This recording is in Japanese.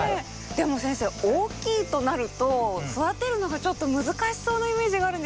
でも先生大きいとなると育てるのがちょっと難しそうなイメージがあるんですけど。